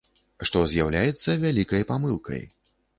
Што з'яўляецца вялікай памылкай.